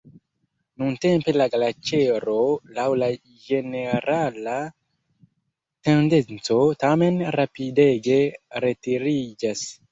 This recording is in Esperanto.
Nuntempe la glaĉero laŭ la ĝenerala tendenco tamen rapidege retiriĝas.